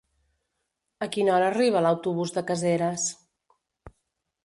A quina hora arriba l'autobús de Caseres?